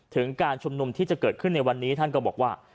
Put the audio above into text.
การชุมนุมที่จะเกิดขึ้นในวันนี้ท่านก็บอกว่า